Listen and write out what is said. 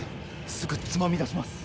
すぐつまみ出します。